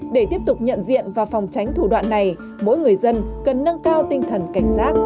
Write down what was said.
để tiếp tục nhận diện và phòng tránh thủ đoạn này mỗi người dân cần nâng cao tinh thần cảnh giác